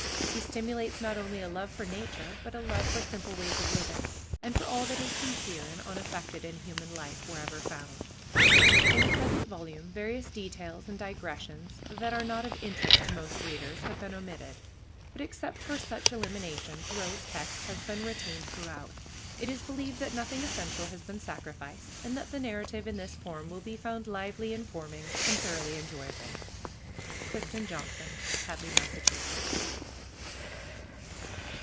He stimulates not only a love for nature, but a love for simple ways of living, and for all that is sincere and unaffected in human life, wherever found. In the present volume various details and digressions that are not of interest to most readers have been omitted, but except for such elimination Thoreau's text has been retained throughout. It is believed that nothing essential has been sacrificed, and that the narrative in this form will be found lively, informing, and thoroughly enjoyable. CLIFTON JOHNSON. HADLEY, MASSACHUSETTS.